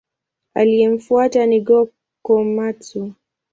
Aliyemfuata ni Go-Komatsu.